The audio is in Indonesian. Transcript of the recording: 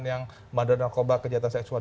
yang mandar narkoba kejahatan seksual